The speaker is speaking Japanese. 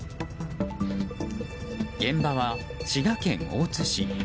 現場は滋賀県大津市。